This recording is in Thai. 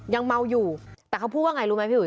ยังเมาอยู่แต่เขาพูดว่าไงรู้ไหมพี่อุ๋